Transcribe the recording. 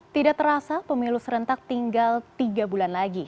tidak terasa pemilu serentak tinggal tiga bulan lagi